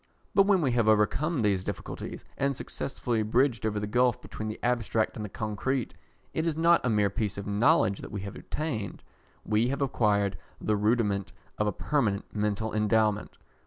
But when we have overcome these difficulties, and successfully bridged over the gulph between the abstract and the concrete, it is not a mere piece of knowledge that we have obtained: we have acquired the rudiment of a permanent mental endowment.